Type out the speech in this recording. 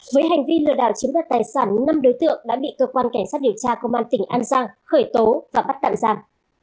với hành vi lừa đảo chiếm đoạt tài sản năm đối tượng đã bị cơ quan cảnh sát điều tra công an tỉnh an giang khởi tố và bắt tạm giam